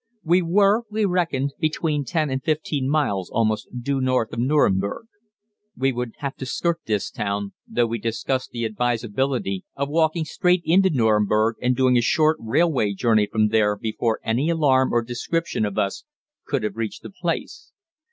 We were, we reckoned, between 10 and 15 miles almost due north of Nüremberg. We would have to skirt this town though we discussed the advisability of walking straight into Nüremberg and doing a short railway journey from there before any alarm or description of us could have reached the place.